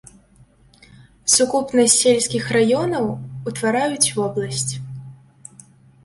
Сукупнасць сельскіх раёнаў утвараюць вобласць.